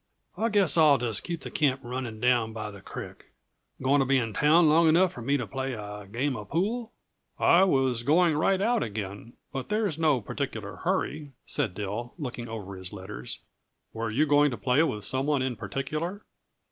I guess I'll just keep the camp running down by the creek. Going to be in town long enough for me to play a game uh pool?" "I was going right out again, but there's no particular hurry," said Dill, looking over his letters. "Were you going to play with some one in particular?"